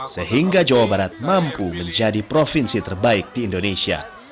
sehingga jawa barat mampu menjadi provinsi terbaik di indonesia